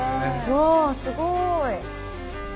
わあすごい。